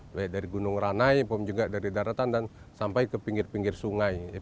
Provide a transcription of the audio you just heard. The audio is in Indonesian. baik dari gunung ranai pun juga dari daratan dan sampai ke pinggir pinggir sungai